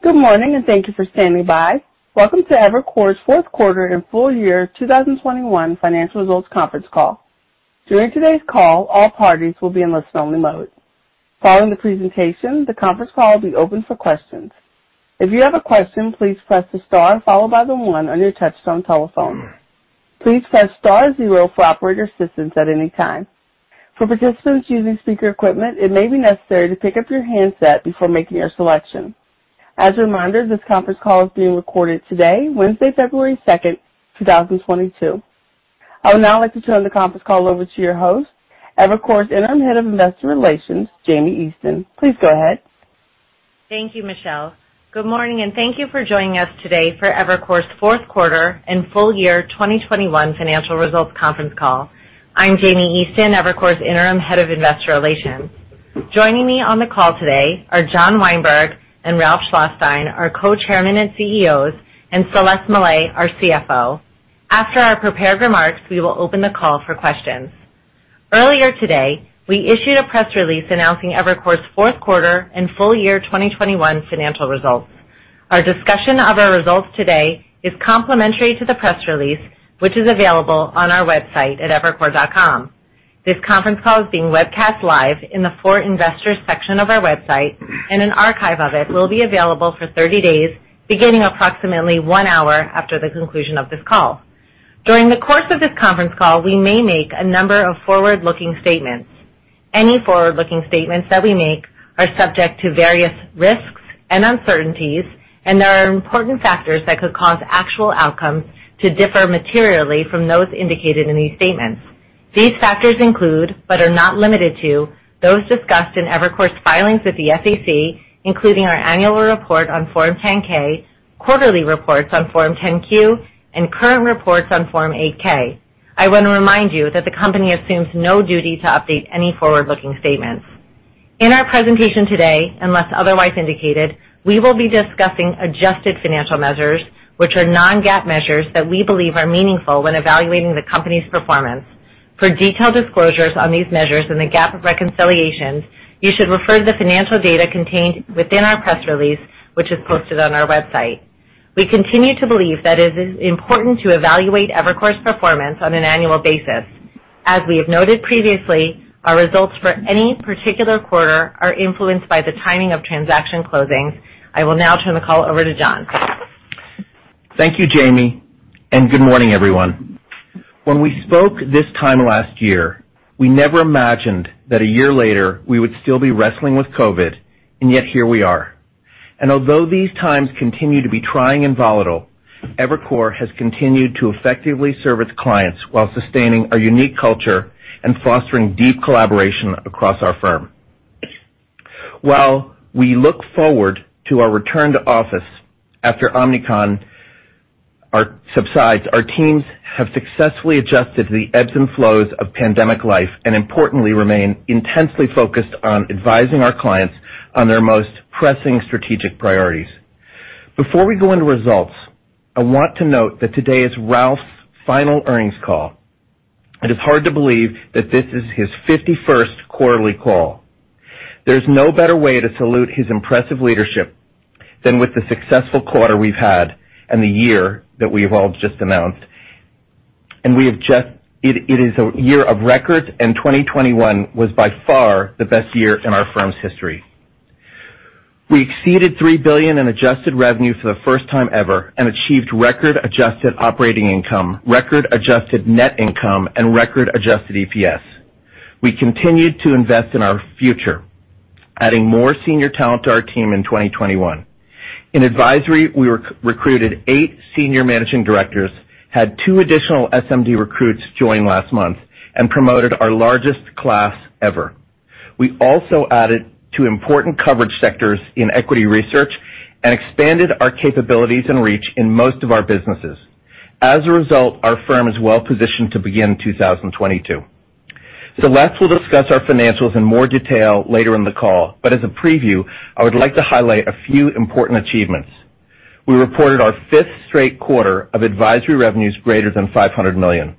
Good morning, and thank you for standing by. Welcome to Evercore's Fourth Quarter and Full Year 2021 Financial Results Conference Call. During today's call, all parties will be in listen-only mode. Following the presentation, the conference call will be open for questions. If you have a question, please press the star followed by the one on your touchtone telephone. Please press star zero for operator assistance at any time. For participants using speaker equipment, it may be necessary to pick up your handset before making your selection. As a reminder, this conference call is being recorded today, Wednesday, February 2nd, 2022. I would now like to turn the conference call over to your host, Evercore's Interim Head of Investor Relations, Jamie Easton. Please go ahead. Thank you, Michelle. Good morning, and thank you for joining us today for Evercore's fourth quarter and full year 2021 financial results conference call. I'm Jamie Easton, Evercore's Interim Head of Investor Relations. Joining me on the call today are John Weinberg and Ralph Schlosstein, our Co-Chairmen and Co-Chief Executive Officers, and Celeste Mellet, our CFO. After our prepared remarks, we will open the call for questions. Earlier today, we issued a press release announcing Evercore's fourth quarter and full year 2021 financial results. Our discussion of our results today is complementary to the press release, which is available on our website at evercore.com. This conference call is being webcast live in the For Investors section of our website, and an archive of it will be available for 30 days, beginning approximately one hour after the conclusion of this call. During the course of this conference call, we may make a number of forward-looking statements. Any forward-looking statements that we make are subject to various risks and uncertainties, and there are important factors that could cause actual outcomes to differ materially from those indicated in these statements. These factors include, but are not limited to, those discussed in Evercore's filings with the SEC, including our annual report on Form 10-K, quarterly reports on Form 10-Q, and current reports on Form 8-K. I want to remind you that the company assumes no duty to update any forward-looking statements. In our presentation today, unless otherwise indicated, we will be discussing adjusted financial measures, which are non-GAAP measures that we believe are meaningful when evaluating the company's performance. For detailed disclosures on these measures and the GAAP reconciliations, you should refer to the financial data contained within our press release, which is posted on our website. We continue to believe that it is important to evaluate Evercore's performance on an annual basis. As we have noted previously, our results for any particular quarter are influenced by the timing of transaction closings. I will now turn the call over to John. Thank you, Jamie, and good morning, everyone. When we spoke this time last year, we never imagined that a year later we would still be wrestling with COVID, and yet here we are. Although these times continue to be trying and volatile, Evercore has continued to effectively serve its clients while sustaining our unique culture and fostering deep collaboration across our firm. While we look forward to our return to office after Omicron subsides, our teams have successfully adjusted to the ebbs and flows of pandemic life, and importantly, remain intensely focused on advising our clients on their most pressing strategic priorities. Before we go into results, I want to note that today is Ralph's final earnings call. It is hard to believe that this is his 51st quarterly call. There's no better way to salute his impressive leadership than with the successful quarter we've had and the year that we have all just announced. It is a year of records, and 2021 was by far the best year in our firm's history. We exceeded $3 billion in adjusted revenue for the first time ever and achieved record adjusted Operating income, record adjusted Net income, and record adjusted EPS. We continued to invest in our future, adding more senior talent to our team in 2021. In advisory, we re-recruited eight Senior Managing Directors, had two additional SMD recruits join last month, and promoted our largest class ever. We also added to important coverage sectors in Equity Research and expanded our capabilities and reach in most of our businesses. As a result, our firm is well-positioned to begin 2022. Celeste will discuss our financials in more detail later in the call, but as a preview, I would like to highlight a few important achievements. We reported our 5th straight quarter of advisory revenues greater than $500 million,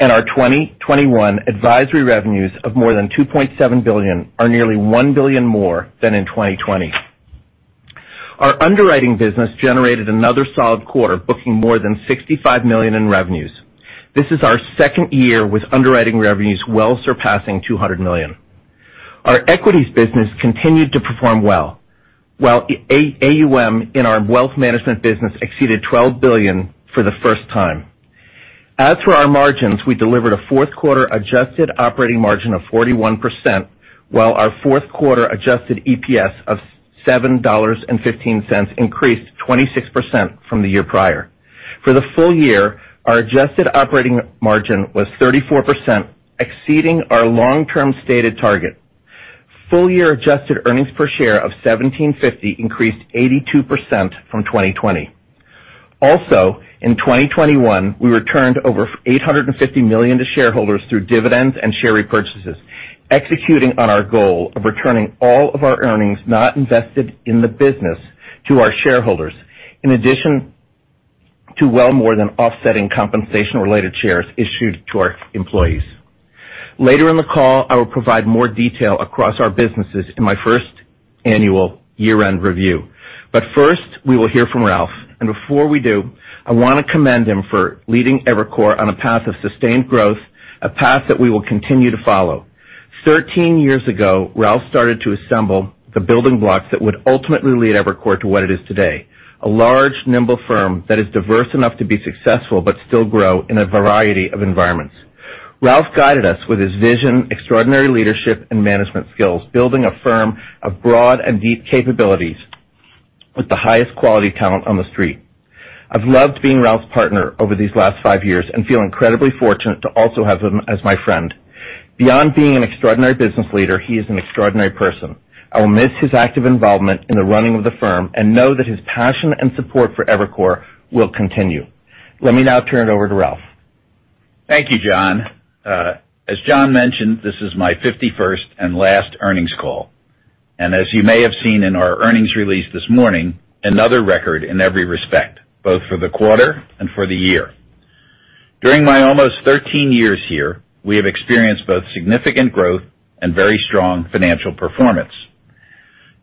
and our 2021 advisory revenues of more than $2.7 billion are nearly $1 billion more than in 2020. Our underwriting business generated another solid quarter, booking more than $65 million in revenues. This is our second year with underwriting revenues well surpassing $200 million. Our equities business continued to perform well, while AUM in our wealth management business exceeded $12 billion for the first time. As for our margins, we delivered a fourth quarter adjusted operating margin of 41%, while our fourth quarter adjusted EPS of $7.15 increased 26% from the year prior. For the full year, our adjusted operating margin was 34%, exceeding our long-term stated target. Full-year adjusted earnings per share of $17.50 increased 82% from 2020. Also, in 2021, we returned over $850 million to shareholders through dividends and share repurchases, executing on our goal of returning all of our earnings not invested in the business to our shareholders. In addition to well more than offsetting compensation-related shares issued to our employees. Later in the call, I will provide more detail across our businesses in my first annual year-end review. First, we will hear from Ralph, and before we do, I wanna commend him for leading Evercore on a path of sustained growth, a path that we will continue to follow. 13 years ago, Ralph started to assemble the building blocks that would ultimately lead Evercore to what it is today, a large, nimble firm that is diverse enough to be successful but still grow in a variety of environments. Ralph guided us with his vision, extraordinary leadership, and management skills, building a firm of broad and deep capabilities with the highest quality talent on the street. I've loved being Ralph's partner over these last five years and feel incredibly fortunate to also have him as my friend. Beyond being an extraordinary business leader, he is an extraordinary person. I will miss his active involvement in the running of the firm and know that his passion and support for Evercore will continue. Let me now turn it over to Ralph. Thank you, John. As John mentioned, this is my 51st and last earnings call, and as you may have seen in our earnings release this morning, another record in every respect, both for the quarter and for the year. During my almost 13 years here, we have experienced both significant growth and very strong financial performance.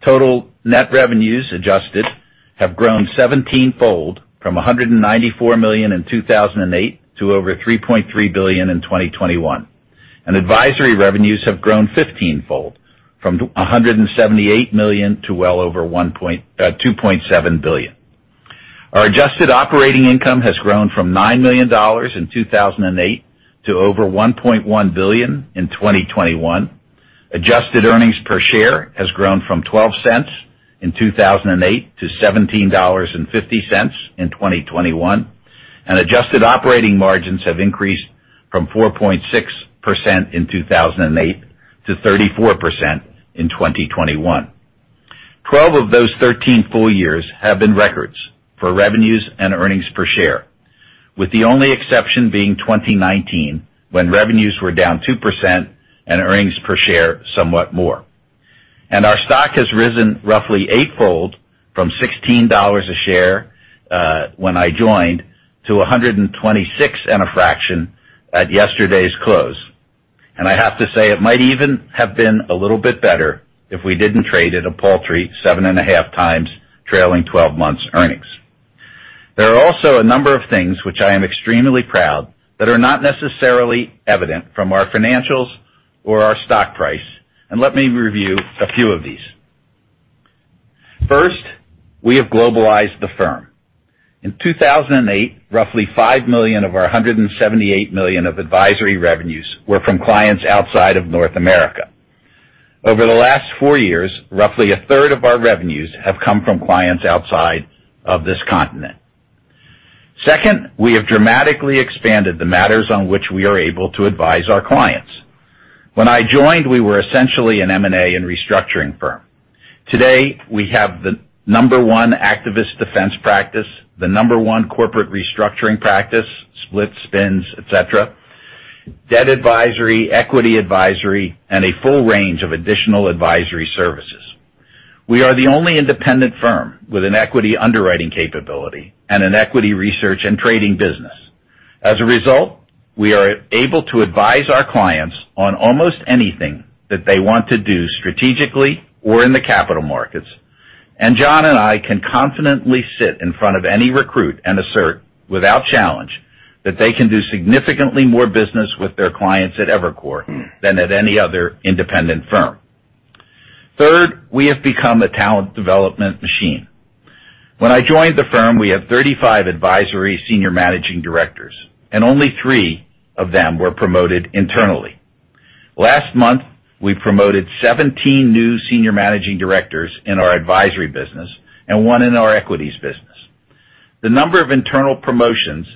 Total net revenues adjusted have grown 17-fold from $194 million in 2008 to over $3.3 billion in 2021. Advisory revenues have grown 15-fold from $178 million to well over $2.7 billion. Our adjusted operating income has grown from $9 million in 2008 to over $1.1 billion in 2021. Adjusted earnings per share has grown from $0.12 in 2008 to $17.50 in 2021. Adjusted operating margins have increased from 4.6% in 2008 to 34% in 2021. 12 of those 13 full years have been records for revenues and earnings per share, with the only exception being 2019, when revenues were down 2% and earnings per share somewhat more. Our stock has risen roughly eight-fold from $16 a share, when I joined, to $126 and a fraction at yesterday's close. I have to say it might even have been a little bit better if we didn't trade at a paltry 7.5 times trailing 12 months earnings. There are also a number of things which I am extremely proud that are not necessarily evident from our financials or our stock price, and let me review a few of these. First, we have globalized the firm. In 2008, roughly $5 million of our $178 million of advisory revenues were from clients outside of North America. Over the last four years, roughly a third of our revenues have come from clients outside of this continent. Second, we have dramatically expanded the matters on which we are able to advise our clients. When I joined, we were essentially an M&A and restructuring firm. Today, we have the number one activist Defense practice, the number one Corporate restructuring practice, Split, spins, et cetera, Debt advisory, Equity advisory, and a full range of additional advisory services. We are the only independent firm with an equity underwriting capability and an equity research and trading business. As a result, we are able to advise our clients on almost anything that they want to do strategically or in the capital markets. John and I can confidently sit in front of any recruit and assert, without challenge, that they can do significantly more business with their clients at Evercore than at any other independent firm. Third, we have become a talent development machine. When I joined the firm, we had 35 advisory Senior Managing Directors, and only three of them were promoted internally. Last month, we promoted 17 new Senior Managing Directors in our Advisory business and one in our Equities business. The number of internal promotions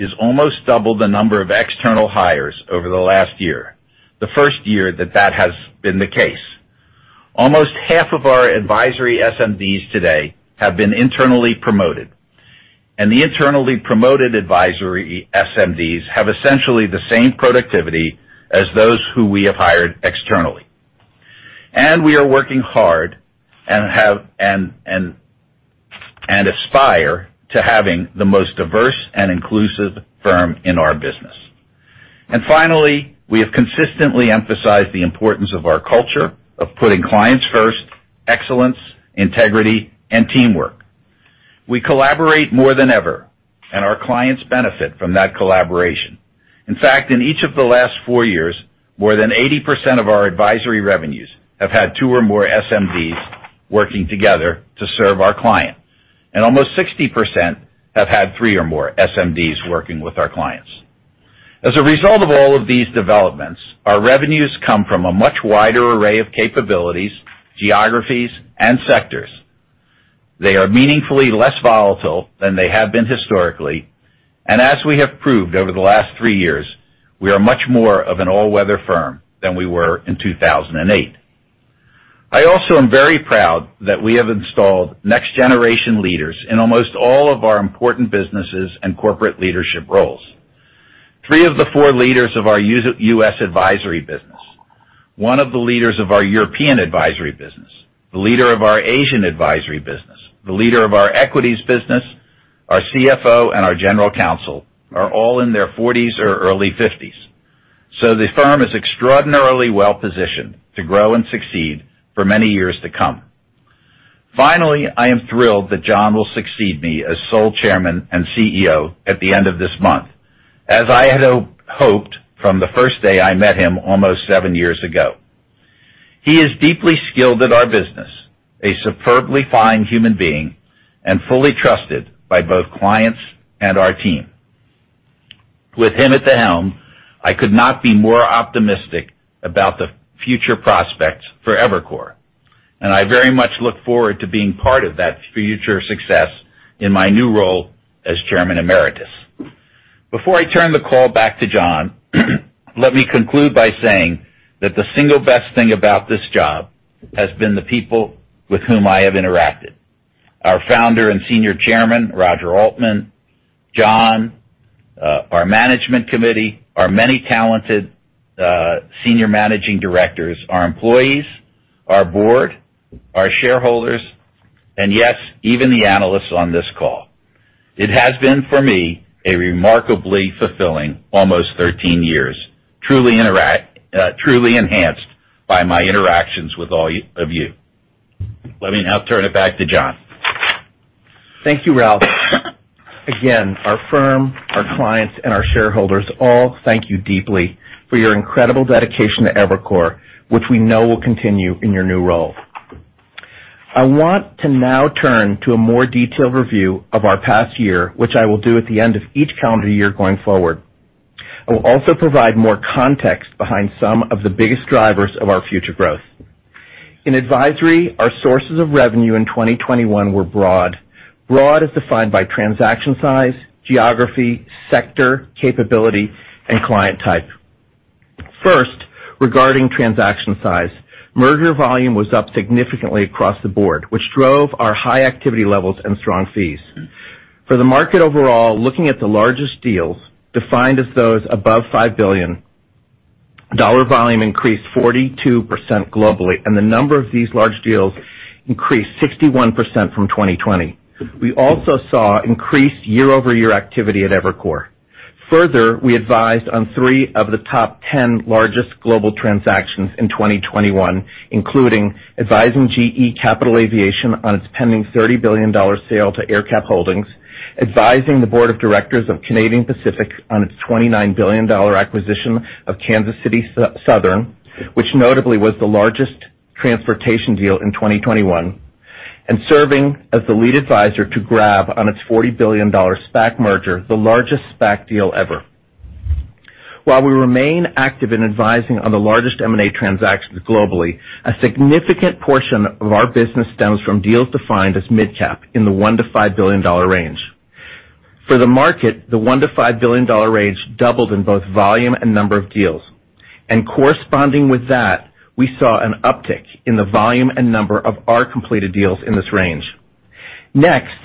has almost doubled the number of external hires over the last year, the first year that that has been the case. Almost half of our advisory SMDs today have been internally promoted, and the internally promoted advisory SMDs have essentially the same productivity as those who we have hired externally. We are working hard and aspire to having the most diverse and inclusive firm in our business. Finally, we have consistently emphasized the importance of our culture of putting clients first, excellence, integrity, and teamwork. We collaborate more than ever, and our clients benefit from that collaboration. In fact, in each of the last four years, more than 80% of our advisory revenues have had two or more SMDs working together to serve our client, and almost 60% have had three or more SMDs working with our clients. As a result of all of these developments, our revenues come from a much wider array of capabilities, geographies, and sectors. They are meaningfully less volatile than they have been historically. As we have proved over the last three years, we are much more of an all-weather firm than we were in 2008. I also am very proud that we have installed next-generation leaders in almost all of our important businesses and corporate leadership roles. Three of the four leaders of our U.S. advisory business, one of the leaders of our European advisory business, the leader of our Asian advisory business, the leader of our equities business, our CFO, and our general counsel are all in their forties or early fifties. The firm is extraordinarily well-positioned to grow and succeed for many years to come. Finally, I am thrilled that John will succeed me as sole Chairman and CEO at the end of this month, as I had hoped from the first day I met him almost seven years ago. He is deeply skilled at our business, a superbly fine human being, and fully trusted by both clients and our team. With him at the helm, I could not be more optimistic about the future prospects for Evercore, and I very much look forward to being part of that future success in my new role as Chairman Emeritus. Before I turn the call back to John, let me conclude by saying that the single best thing about this job has been the people with whom I have interacted. Our Founder and Senior Chairman, Roger Altman, John, our management committee, our many talented senior managing directors, our employees, our board, our shareholders, and, yes, even the analysts on this call. It has been, for me, a remarkably fulfilling almost 13 years, truly enhanced by my interactions with all of you. Let me now turn it back to John. Thank you, Ralph. Again, our firm, our clients, and our shareholders all thank you deeply for your incredible dedication to Evercore, which we know will continue in your new role. I want to now turn to a more detailed review of our past year, which I will do at the end of each calendar year going forward. I will also provide more context behind some of the biggest drivers of our future growth. In advisory, our sources of revenue in 2021 were broad. Broad is defined by transaction size, geography, sector, capability, and client type. First, regarding transaction size. Merger volume was up significantly across the board, which drove our high activity levels and strong fees. For the market overall, looking at the largest deals, defined as those above $5 billion, dollar volume increased 42% globally, and the number of these large deals increased 61% from 2020. We also saw increased year-over-year activity at Evercore. Further, we advised on three of the top ten largest global transactions in 2021, including advising GE Capital Aviation on its pending $30 billion sale to AerCap Holdings, advising the board of directors of Canadian Pacific on its $29 billion acquisition of Kansas City Southern, which notably was the largest transportation deal in 2021, and serving as the Lead Advisor to Grab on its $40 billion SPAC merger, the largest SPAC deal ever. While we remain active in advising on the largest M&A transactions globally, a significant portion of our business stems from deals defined as midcap in the $1 billion-$5 billion range. For the market, the $1 billion-$5 billion range doubled in both volume and number of deals. Corresponding with that, we saw an uptick in the volume and number of our completed deals in this range. Next,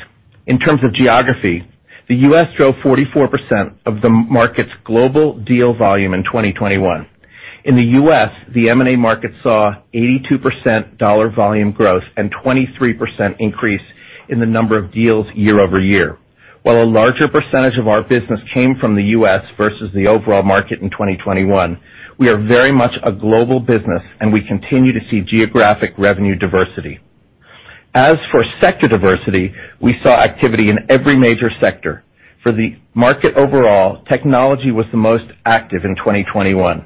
in terms of geography, the U.S. drove 44% of the market's global deal volume in 2021. In the U.S., the M&A market saw 82% dollar volume growth and 23% increase in the number of deals year-over-year. While a larger percentage of our business came from the U.S. versus the overall market in 2021, we are very much a global business, and we continue to see geographic revenue diversity. As for sector diversity, we saw activity in every major sector. For the market overall, technology was the most active in 2021.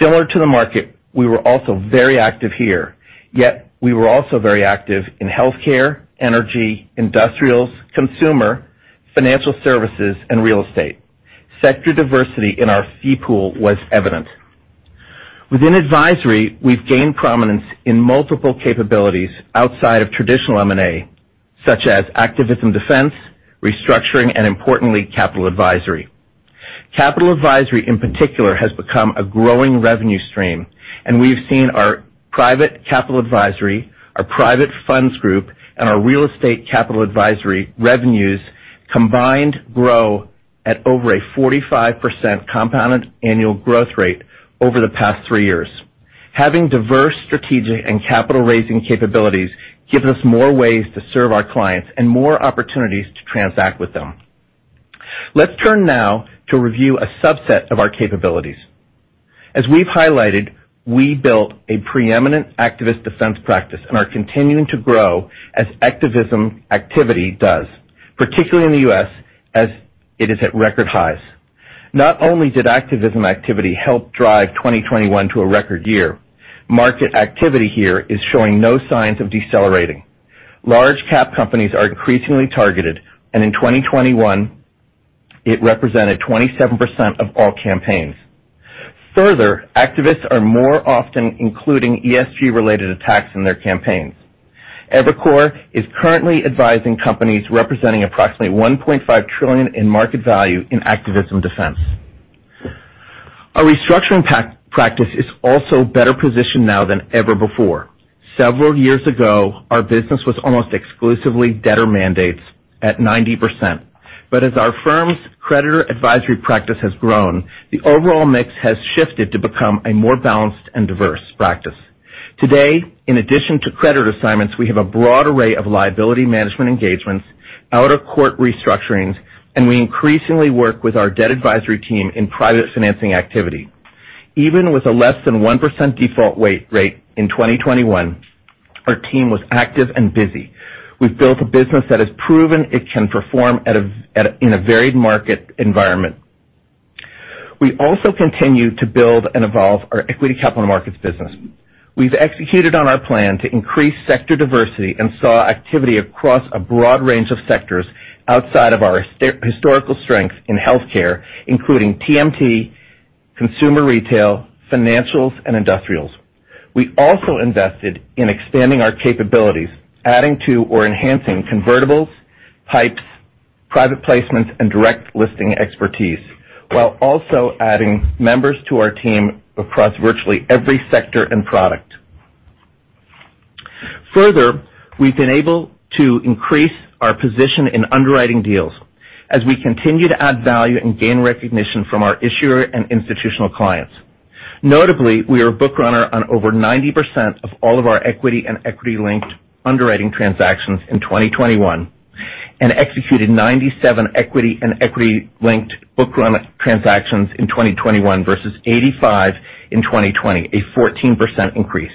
Similar to the market, we were also very active here, yet we were also very active in healthcare, energy, industrials, consumer, financial services, and real estate. Sector diversity in our fee pool was evident. Within advisory, we've gained prominence in multiple capabilities outside of traditional M&A, such as activism defense, restructuring, and importantly, capital advisory. Capital advisory, in particular, has become a growing revenue stream, and we've seen our private capital advisory, our private funds group, and our real estate capital advisory revenues combined grow at over a 45% compounded annual growth rate over the past three years. Having diverse strategic and capital-raising capabilities gives us more ways to serve our clients and more opportunities to transact with them. Let's turn now to review a subset of our capabilities. As we've highlighted, we built a preeminent activist defense practice and are continuing to grow as activism activity does, particularly in the U.S., as it is at record highs. Not only did activism activity help drive 2021 to a record year, market activity here is showing no signs of decelerating. Large cap companies are increasingly targeted, and in 2021, it represented 27% of all campaigns. Further, activists are more often including ESG-related attacks in their campaigns. Evercore is currently advising companies representing approximately 1.5 trillion in market value in Activism Defense. Our restructuring practice is also better positioned now than ever before. Several years ago, our business was almost exclusively debtor mandates at 90%. As our firm's creditor advisory practice has grown, the overall mix has shifted to become a more balanced and diverse practice. Today, in addition to credit assignments, we have a broad array of liability management engagements, out-of-court restructurings, and we increasingly work with our debt advisory team in private financing activity. Even with a less than 1% default rate in 2021, our team was active and busy. We've built a business that has proven it can perform in a varied market environment. We also continue to build and evolve our Equity capital markets business. We've executed on our plan to increase sector diversity and saw activity across a broad range of sectors outside of our historical strength in healthcare, including TMT, consumer retail, financials, and industrials. We also invested in expanding our capabilities, adding to or enhancing convertibles, PIPEs, private placements, and direct listing expertise, while also adding members to our team across virtually every sector and product. Further, we've been able to increase our position in underwriting deals as we continue to add value and gain recognition from our issuer and institutional clients. Notably, we are a bookrunner on over 90% of all of our equity and equity-linked underwriting transactions in 2021, and executed 97 equity and equity-linked bookrun transactions in 2021 versus 85 in 2020, a 14% increase.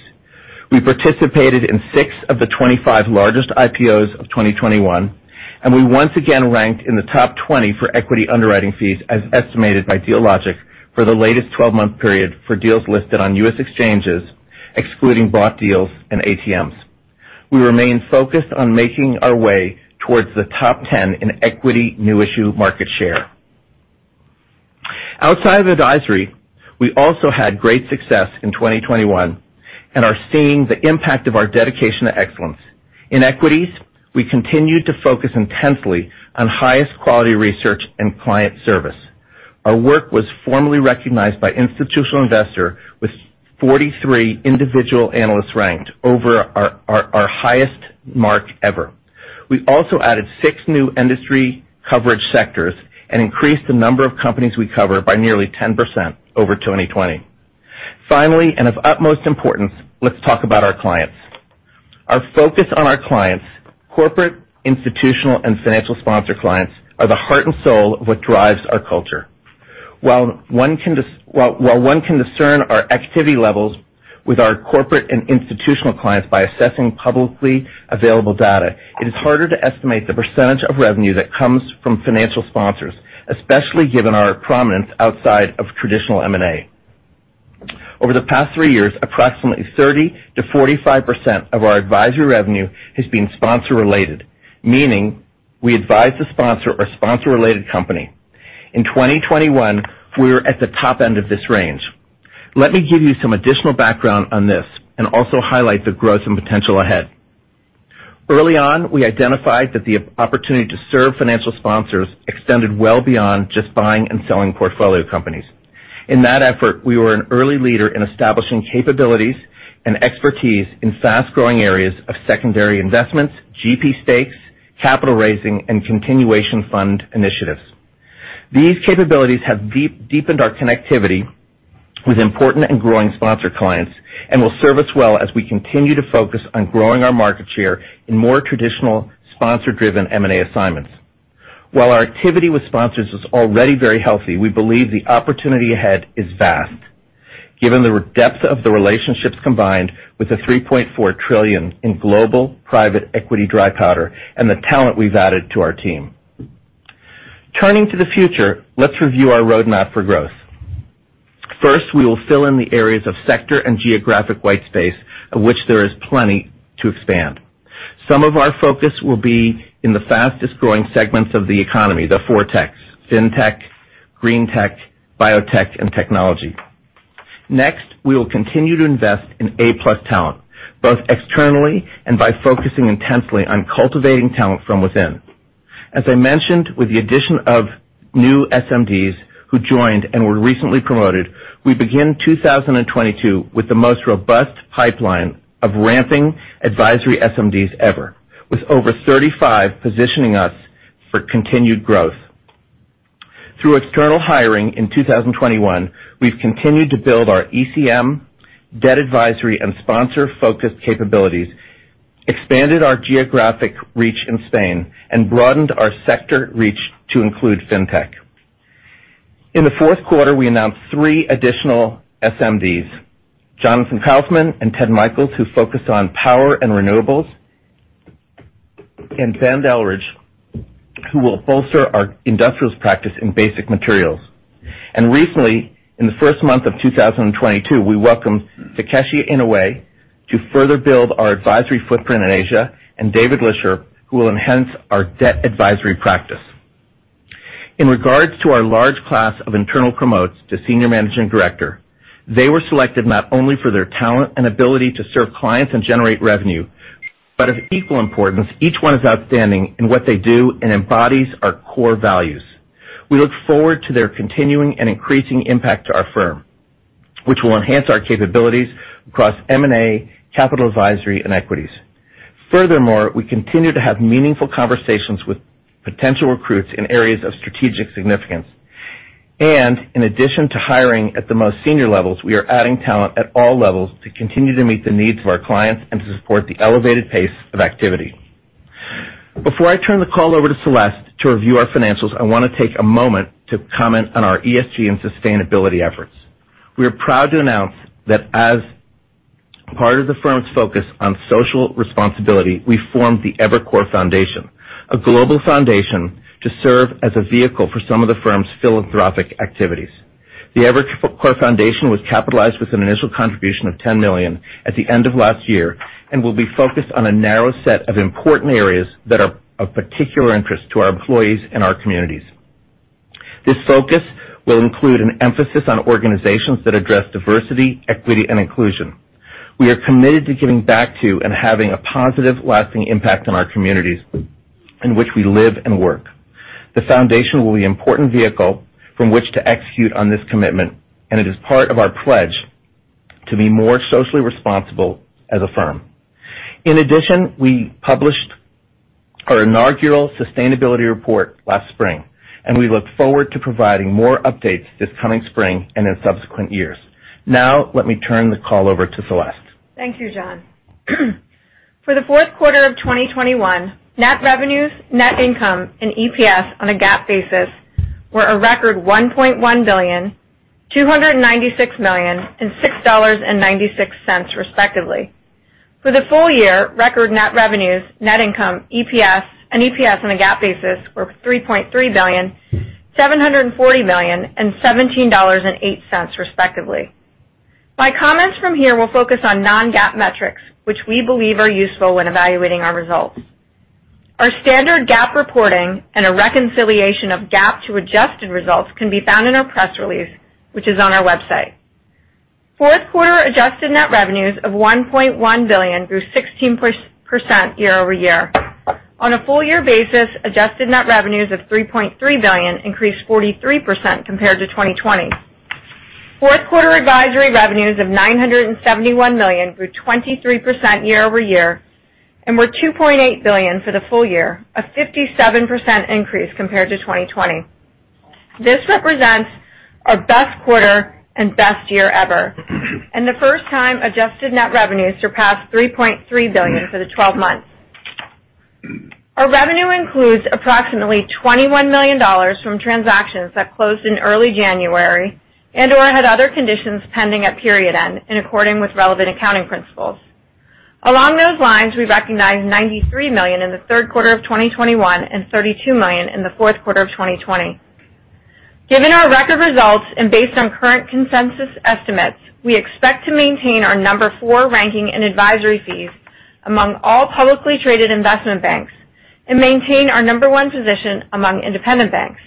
We participated in six of the 25 largest IPOs of 2021, and we once again ranked in the top 20 for equity underwriting fees as estimated by Dealogic for the latest 12-month period for deals listed on U.S. exchanges, excluding bought deals and ATMs. We remain focused on making our way towards the top 10 in equity new issue market share. Outside of advisory, we also had great success in 2021 and are seeing the impact of our dedication to excellence. In equities, we continued to focus intensely on highest quality research and client service. Our work was formally recognized by Institutional Investor with 43 individual analysts ranked over our highest mark ever. We also added six new industry coverage sectors and increased the number of companies we cover by nearly 10% over 2020. Finally, and of utmost importance, let's talk about our clients. Our focus on our clients, corporate, institutional, and financial sponsor clients, are the heart and soul of what drives our culture. While one can discern our activity levels with our corporate and institutional clients by assessing publicly available data, it is harder to estimate the percentage of revenue that comes from financial sponsors, especially given our prominence outside of traditional M&A. Over the past three years, approximately 30%-45% of our advisory revenue has been sponsor-related, meaning we advise the sponsor or sponsor-related company. In 2021, we were at the top end of this range. Let me give you some additional background on this and also highlight the growth and potential ahead. Early on, we identified that the opportunity to serve financial sponsors extended well beyond just buying and selling portfolio companies. In that effort, we were an early leader in establishing capabilities and expertise in fast-growing areas of secondary investments, GP stakes, capital raising, and continuation fund initiatives. These capabilities have deepened our connectivity with important and growing sponsor clients and will serve us well as we continue to focus on growing our market share in more traditional sponsor-driven M&A assignments. While our activity with sponsors is already very healthy, we believe the opportunity ahead is vast, given the depth of the relationships combined with the $3.4 trillion in global private equity dry powder and the talent we've added to our team. Turning to the future, let's review our roadmap for growth. First, we will fill in the areas of sector and geographic white space of which there is plenty to expand. Some of our focus will be in the fastest-growing segments of the economy, the four techs, fintech, green tech, biotech, and technology. Next, we will continue to invest in A+ talent, both externally and by focusing intensely on cultivating talent from within. As I mentioned, with the addition of new SMDs who joined and were recently promoted, we begin 2022 with the most robust pipeline of ramping advisory SMDs ever, with over 35 positioning us for continued growth. Through external hiring in 2021, we've continued to build our ECM, debt advisory, and sponsor-focused capabilities, expanded our geographic reach in Spain, and broadened our sector reach to include fintech. In the fourth quarter, we announced three additional SMDs, Jonathan Kaufman and Ted Michaels, who focus on Power and Renewables, and Ben Eldridge, who will bolster our Industrials Practice in basic materials. Recently, in the first month of 2022, we welcomed Takeshi Inoue to further build our advisory footprint in Asia, and David Lischer, who will enhance our debt advisory practice. In regards to our large class of internal promotes to Senior Managing Director, they were selected not only for their talent and ability to serve clients and generate revenue, but of equal importance, each one is outstanding in what they do and embodies our core values. We look forward to their continuing and increasing impact to our firm, which will enhance our capabilities across M&A, capital advisory, and equities. Furthermore, we continue to have meaningful conversations with potential recruits in areas of strategic significance. In addition to hiring at the most senior levels, we are adding talent at all levels to continue to meet the needs of our clients and to support the elevated pace of activity. Before I turn the call over to Celeste to review our financials, I wanna take a moment to comment on our ESG and sustainability efforts. We are proud to announce that as part of the firm's focus on social responsibility, we formed the Evercore Foundation, a global foundation to serve as a vehicle for some of the firm's philanthropic activities. The Evercore Foundation was capitalized with an initial contribution of $10 million at the end of last year and will be focused on a narrow set of important areas that are of particular interest to our employees and our communities. This focus will include an emphasis on organizations that address diversity, equity, and inclusion. We are committed to giving back to and having a positive lasting impact on our communities in which we live and work. The foundation will be important vehicle from which to execute on this commitment, and it is part of our pledge to be more socially responsible as a firm. In addition, we published our inaugural sustainability report last spring, and we look forward to providing more updates this coming spring and in subsequent years. Now let me turn the call over to Celeste. Thank you, John. For the fourth quarter of 2021, net revenues, net income, and EPS on a GAAP basis were a record $1.1 billion, $296 million, and $6.96, respectively. For the full year, record net revenues, net income, EPS, and EPS on a GAAP basis were $3.3 billion, $740 million, and $17.08, respectively. My comments from here will focus on non-GAAP metrics which we believe are useful when evaluating our results. Our standard GAAP reporting and a reconciliation of GAAP to adjusted results can be found in our press release, which is on our website. Fourth quarter adjusted net revenues of $1.1 billion grew 16% year-over-year. On a full year basis, adjusted net revenues of $3.3 billion increased 43% compared to 2020. Fourth quarter advisory revenues of $971 million grew 23% year-over-year and were $2.8 billion for the full year, a 57% increase compared to 2020. This represents our best quarter and best year ever, and the first time adjusted net revenues surpassed $3.3 billion for the twelve months. Our revenue includes approximately $21 million from transactions that closed in early January and/or had other conditions pending at period end in accordance with relevant accounting principles. Along those lines, we recognized $93 million in the third quarter of 2021 and $32 million in the fourth quarter of 2020. Given our record results and based on current consensus estimates, we expect to maintain our number four ranking in advisory fees among all publicly traded investment banks and maintain our number one position among independent banks.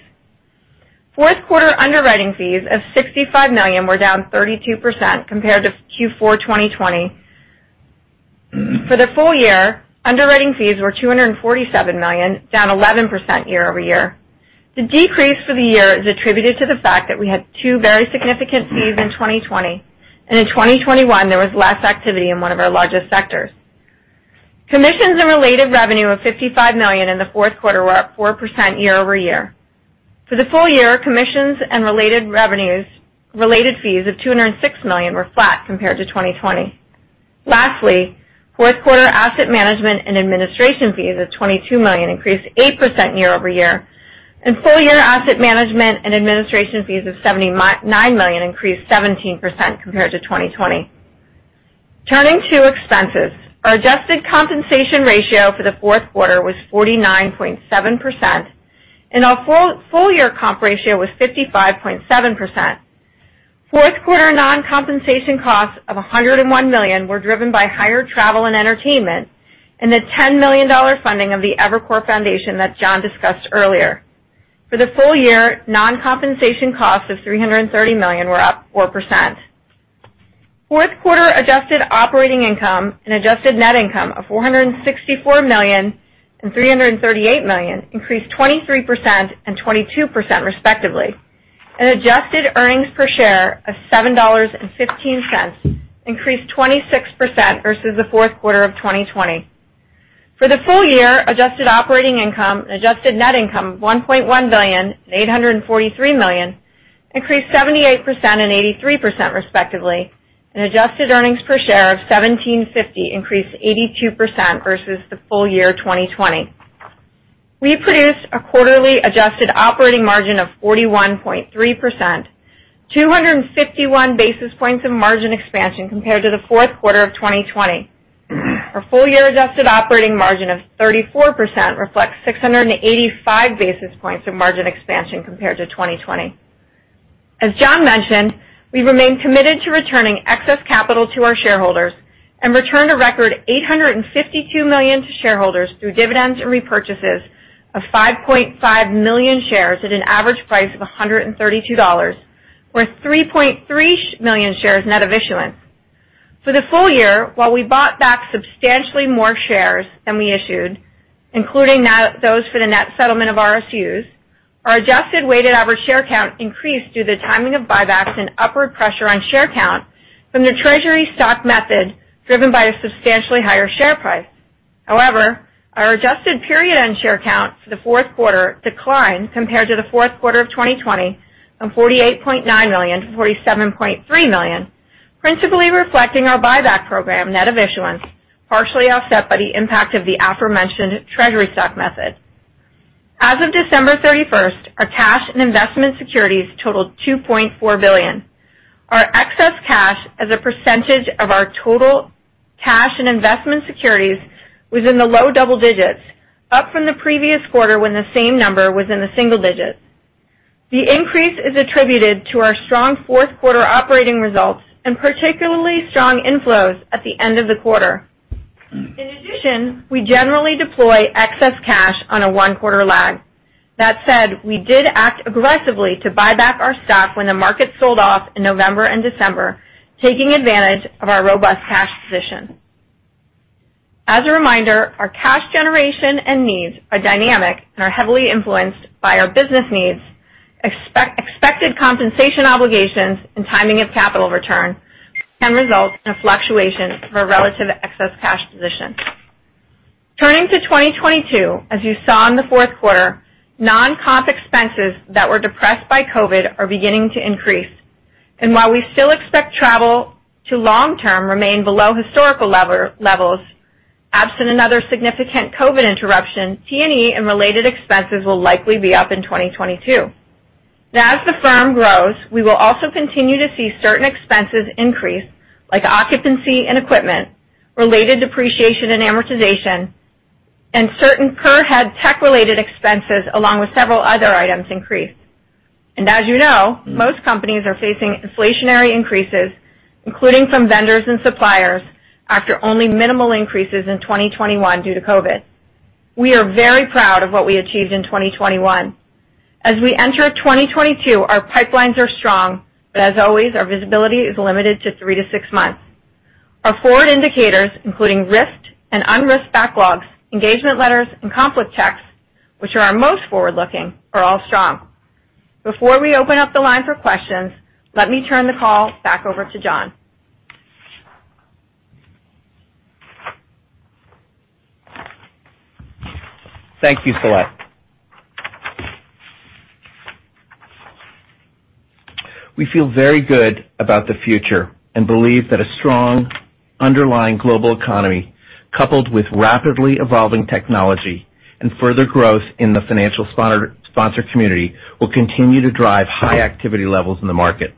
Fourth quarter underwriting fees of $65 million were down 32% compared to Q4 2020. For the full year, underwriting fees were $247 million, down 11% year-over-year. The decrease for the year is attributed to the fact that we had two very significant fees in 2020, and in 2021, there was less activity in one of our largest sectors. Commissions and related revenue of $55 million in the fourth quarter were up 4% year-over-year. For the full year, commissions and related fees of $206 million were flat compared to 2020. Lastly, fourth quarter asset management and administration fees of $22 million increased 8% year-over-year, and full year asset management and administration fees of $79 million increased 17% compared to 2020. Turning to expenses. Our adjusted compensation ratio for the fourth quarter was 49.7%, and our full year comp ratio was 55.7%. Fourth quarter non-compensation costs of $101 million were driven by higher travel and entertainment and the $10 million funding of the Evercore Foundation that John discussed earlier. For the full year, non-compensation costs of $330 million were up 4%. Fourth quarter adjusted operating income and adjusted net income of $464 million and $338 million increased 23% and 22%, respectively. An adjusted earnings per share of $7.15 increased 26% versus the fourth quarter of 2020. For the full year, adjusted operating income and adjusted net income of $1.1 billion and $843 million increased 78% and 83%, respectively, and adjusted earnings per share of $17.50 increased 82% versus the full year 2020. We produced a quarterly adjusted operating margin of 41.3%, 251 basis points of margin expansion compared to the fourth quarter of 2020. Our full year adjusted operating margin of 34% reflects 685 basis points of margin expansion compared to 2020. As John mentioned, we remain committed to returning excess capital to our shareholders and returned a record $852 million to shareholders through dividends and repurchases of 5.5 million shares at an average price of $132, or 3.3 million shares net of issuance. For the full year, while we bought back substantially more shares than we issued, including now those for the net settlement of RSUs, our adjusted weighted average share count increased due to the timing of buybacks and upward pressure on share count from the treasury stock method driven by a substantially higher share price. However, our adjusted period end share count for the fourth quarter declined compared to the fourth quarter of 2020 from 48.9 million to 47.3 million, principally reflecting our buyback program net of issuance, partially offset by the impact of the aforementioned treasury stock method. As of December 31st, our cash and investment securities totaled $2.4 billion. Our excess cash as a percentage of our total cash and investment securities was in the low double digits, up from the previous quarter when the same number was in the single digits. The increase is attributed to our strong fourth quarter operating results and particularly strong inflows at the end of the quarter. In addition, we generally deploy excess cash on a one quarter lag. That said, we did act aggressively to buy back our stock when the market sold off in November and December, taking advantage of our robust cash position. As a reminder, our cash generation and needs are dynamic and are heavily influenced by our business needs. Expected compensation obligations and timing of capital return can result in a fluctuation of our relative excess cash position. Turning to 2022, as you saw in the fourth quarter, non-comp expenses that were depressed by COVID are beginning to increase. While we still expect travel to long term remain below historical levels, absent another significant COVID interruption, T&E and related expenses will likely be up in 2022. Now as the firm grows, we will also continue to see certain expenses increase, like occupancy and equipment, related depreciation and amortization, and certain per head tech-related expenses, along with several other items increased. As you know, most companies are facing inflationary increases, including from vendors and suppliers, after only minimal increases in 2021 due to COVID. We are very proud of what we achieved in 2021. As we enter 2022, our pipelines are strong, but as always, our visibility is limited to three-six months. Our forward indicators, including risk and unrisked backlogs, engagement letters and conflict checks, which are our most forward-looking, are all strong. Before we open up the line for questions, let me turn the call back over to John. Thank you, Celeste. We feel very good about the future and believe that a strong underlying global economy, coupled with rapidly evolving technology and further growth in the financial sponsor community, will continue to drive high activity levels in the market.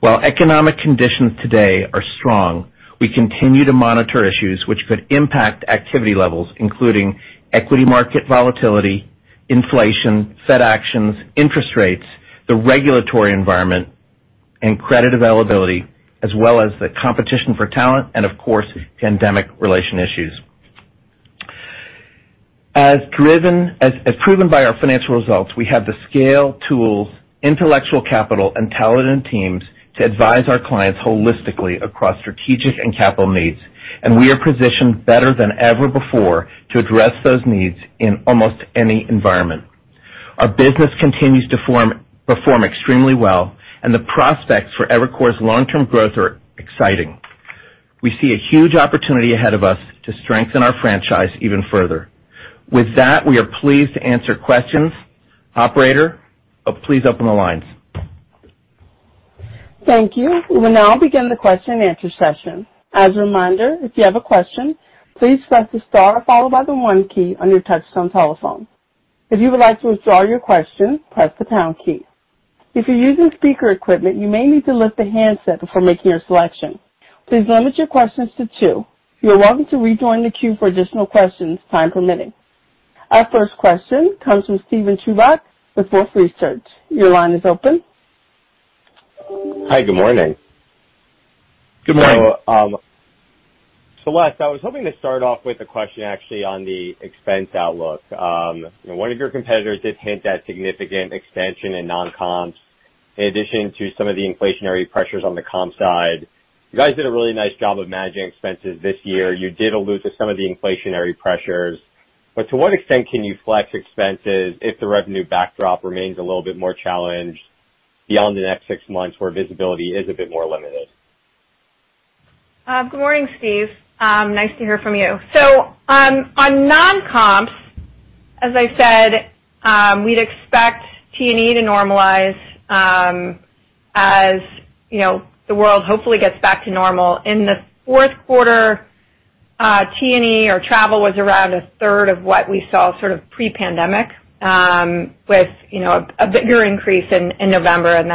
While economic conditions today are strong, we continue to monitor issues which could impact activity levels, including equity market volatility, inflation, Fed actions, interest rates, the regulatory environment, and credit availability, as well as the competition for talent and of course, pandemic-related issues. As proven by our financial results, we have the scale, tools, intellectual capital and talented teams to advise our clients holistically across strategic and capital needs. We are positioned better than ever before to address those needs in almost any environment. Our business continues to perform extremely well and the prospects for Evercore's long-term growth are exciting. We see a huge opportunity ahead of us to strengthen our franchise even further. With that, we are pleased to answer questions. Operator, please open the lines. Thank you. We will now begin the question and answer session. As a reminder, if you have a question, please press the star followed by the one key on your touchtone telephone. If you would like to withdraw your question, press the pound key. If you're using speaker equipment, you may need to lift the handset before making your selection. Please limit your questions to two. You are welcome to rejoin the queue for additional questions, time permitting. Our first question comes from Steven Chubak with Wolfe Research. Your line is open. Hi. Good morning. Good morning. Celeste, I was hoping to start off with a question actually on the expense outlook. One of your competitors did hint at significant extension in non-comps in addition to some of the inflationary pressures on the comp side. You guys did a really nice job of managing expenses this year. You did allude to some of the inflationary pressures, but to what extent can you flex expenses if the revenue backdrop remains a little bit more challenged beyond the next six months where visibility is a bit more limited? Good morning, Steve. Nice to hear from you. On non-comps, as I said, we'd expect T&E to normalize, as you know, the world hopefully gets back to normal. In the fourth quarter, T&E or travel was around a third of what we saw sort of pre-pandemic, with you know, a bigger increase in November and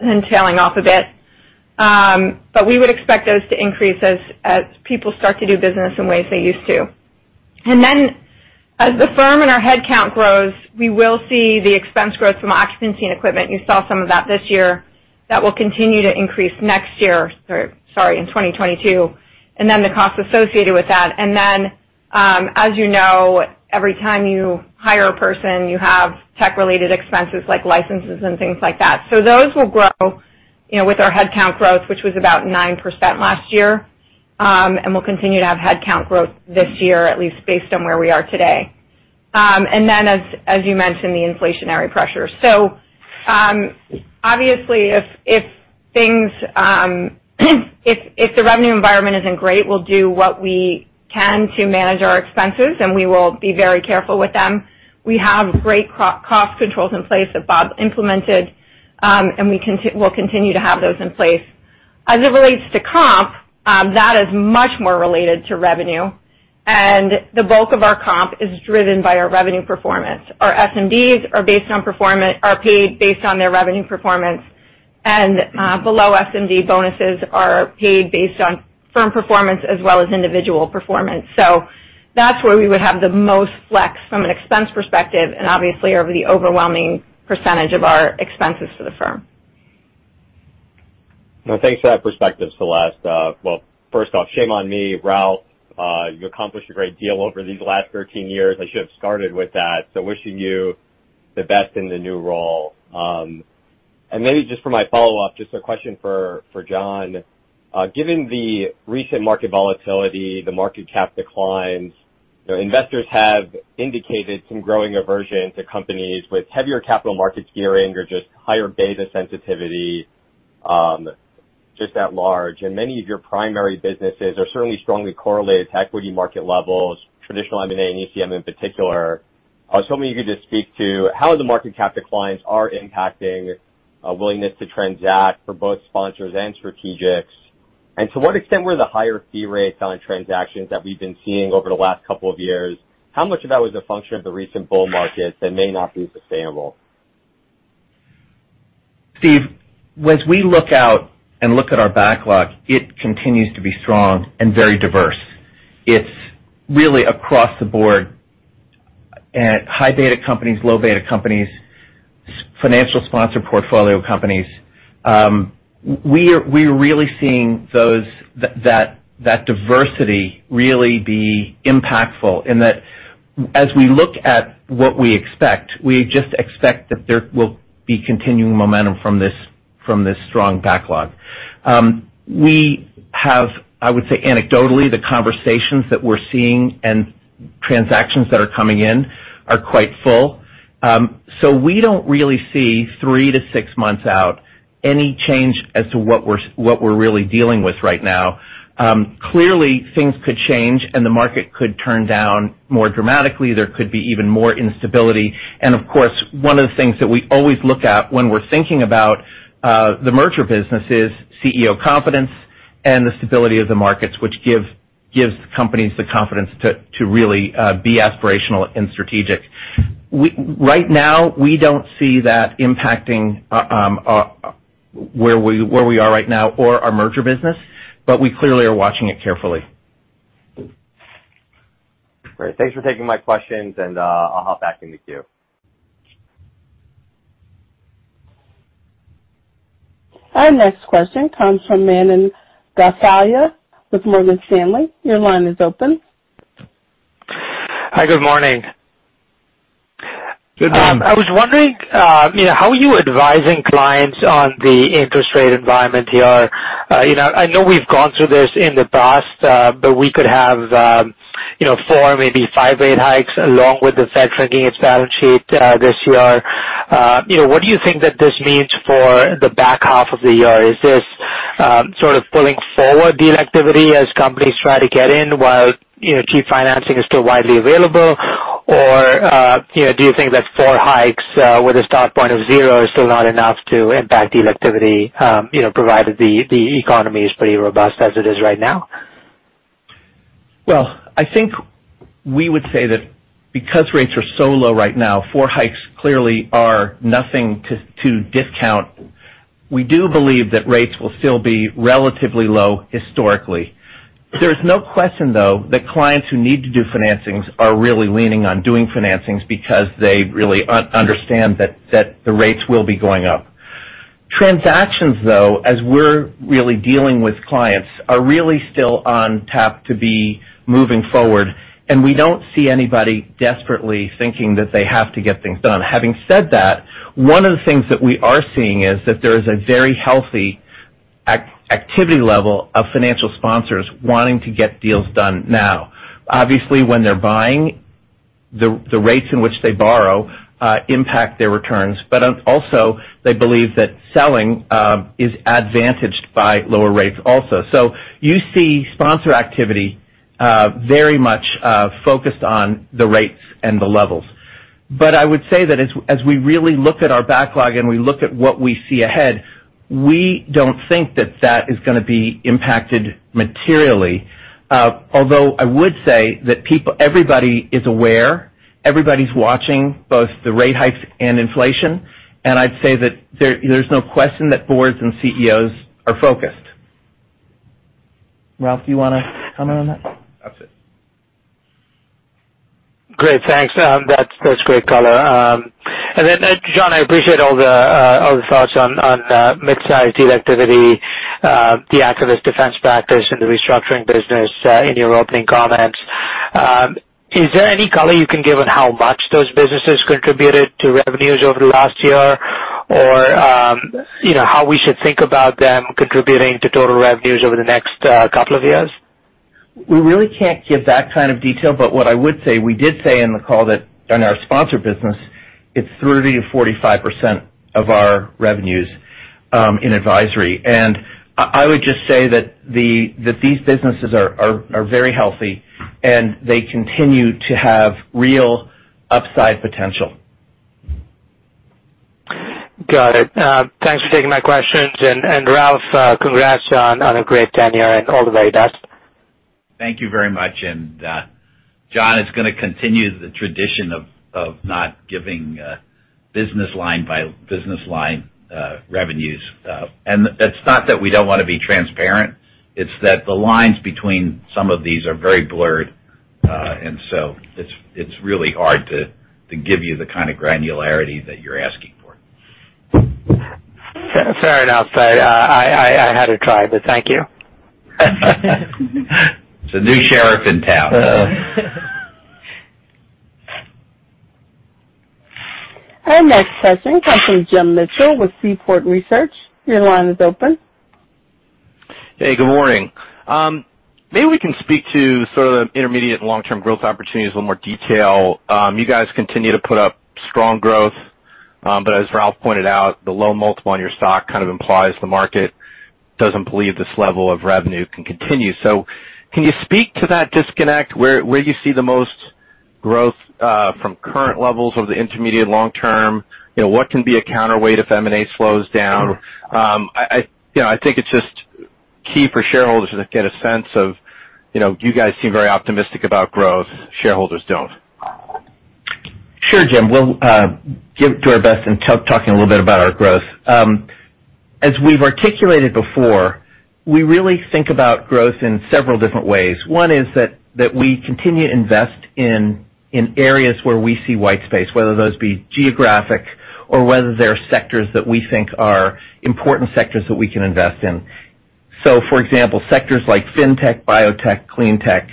then tailing off a bit. We would expect those to increase as people start to do business in ways they used to. As the firm and our headcount grows, we will see the expense growth from occupancy and equipment. You saw some of that this year. That will continue to increase next year. Sorry, in 2022. The cost associated with that. As you know, every time you hire a person, you have tech-related expenses like licenses and things like that. Those will grow, you know, with our headcount growth, which was about 9% last year. We'll continue to have headcount growth this year, at least based on where we are today. As you mentioned, the inflationary pressures. Obviously if the revenue environment isn't great, we'll do what we can to manage our expenses, and we will be very careful with them. We have great cost controls in place that Bob implemented, and we'll continue to have those in place. As it relates to comp, that is much more related to revenue, and the bulk of our comp is driven by our revenue performance. Our SMD's are paid based on their revenue performance. Below SMD bonuses are paid based on firm performance as well as individual performance. That's where we would have the most flex from an expense perspective and obviously over the overwhelming percentage of our expenses for the firm. Well, thanks for that perspective, Celeste. Well, first off, shame on me, Ralph, you accomplished a great deal over these last 13 years. I should have started with that. Wishing you the best in the new role. Maybe just for my follow-up, just a question for John. Given the recent market volatility, the market cap declines, investors have indicated some growing aversion to companies with heavier capital market gearing or just higher beta sensitivity, just at large. Many of your primary businesses are certainly strongly correlated to equity market levels, traditional M&A and ECM in particular. I was hoping you could just speak to how the market cap declines are impacting a willingness to transact for both sponsors and strategics. To what extent were the higher fee rates on transactions that we've been seeing over the last couple of years? How much of that was a function of the recent bull markets that may not be sustainable? Steve, as we look out and look at our backlog, it continues to be strong and very diverse. It's really across the board. High beta companies, low beta companies, financial sponsor portfolio companies. We're really seeing that diversity really be impactful in that as we look at what we expect, we just expect that there will be continuing momentum from this strong backlog. We have, I would say anecdotally, the conversations that we're seeing and transactions that are coming in are quite full. We don't really see three to six months out any change as to what we're really dealing with right now. Clearly things could change and the market could turn down more dramatically. There could be even more instability. Of course, one of the things that we always look at when we're thinking about the merger business is CEO confidence and the stability of the markets, which gives companies the confidence to really be aspirational and strategic. Right now, we don't see that impacting where we are right now or our merger business, but we clearly are watching it carefully. Great. Thanks for taking my questions and, I'll hop back in the queue. Our next question comes from Manan Gosalia with Morgan Stanley. Your line is open. Hi, good morning. Good morning. I was wondering, you know, how are you advising clients on the interest rate environment here? You know, I know we've gone through this in the past, but we could have, you know, four, maybe five rate hikes along with the Fed shrinking its balance sheet, this year. You know, what do you think that this means for the back half of the year? Is this sort of pulling forward deal activity as companies try to get in while, you know, cheap financing is still widely available? Or, you know, do you think that 4 hikes with a start point of zero is still not enough to impact deal activity, you know, provided the economy is pretty robust as it is right now? Well, I think we would say that because rates are so low right now, four hikes clearly are nothing to discount. We do believe that rates will still be relatively low historically. There's no question, though, that clients who need to do financings are really leaning on doing financings because they really understand that the rates will be going up. Transactions, though, as we're really dealing with clients, are really still on tap to be moving forward, and we don't see anybody desperately thinking that they have to get things done. Having said that, one of the things that we are seeing is that there is a very healthy activity level of financial sponsors wanting to get deals done now. Obviously, when they're buying, the rates in which they borrow impact their returns. Also they believe that selling is advantaged by lower rates also. You see sponsor activity very much focused on the rates and the levels. I would say that as we really look at our backlog and we look at what we see ahead, we don't think that is gonna be impacted materially. Although I would say that people, everybody is aware, everybody's watching both the rate hikes and inflation. I'd say that there's no question that boards and CEOs are focused. Ralph, do you wanna comment on that? That's it. Great. Thanks. That's great color. Then, John, I appreciate all the thoughts on mid-sized activity, the activist defense practice and the restructuring business, in your opening comments. Is there any color you can give on how much those businesses contributed to revenues over the last year? Or, you know, how we should think about them contributing to total revenues over the next couple of years? We really can't give that kind of detail, but what I would say, we did say in the call that in our sponsor business, it's 30%-45% of our revenues in advisory. I would just say that these businesses are very healthy and they continue to have real upside potential. Got it. Thanks for taking my questions. Ralph, congrats on a great tenure and all the very best. Thank you very much. John is gonna continue the tradition of not giving business line by business line revenues. It's not that we don't wanna be transparent, it's that the lines between some of these are very blurred. It's really hard to give you the kind of granularity that you're asking for. Fair enough. I had to try, but thank you. It's a new sheriff in town. Our next question comes from Jim Mitchell with Seaport Research. Your line is open. Hey, good morning. Maybe we can speak to sort of the intermediate and long-term growth opportunities in more detail. You guys continue to put up strong growth, but as Ralph pointed out, the low multiple on your stock kind of implies the market doesn't believe this level of revenue can continue. Can you speak to that disconnect where you see the most growth from current levels over the intermediate long-term? You know, what can be a counterweight if M&A slows down? I, you know, I think it's just key for shareholders to get a sense of, you know, you guys seem very optimistic about growth, shareholders don't. Sure, Jim. We'll do our best in talking a little bit about our growth. As we've articulated before, we really think about growth in several different ways. One is that we continue to invest in areas where we see white space, whether those be geographic or whether they're sectors that we think are important that we can invest in. For example, sectors like fintech, biotech, Clean Tech,